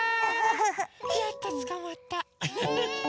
やっとつかまったフフフ。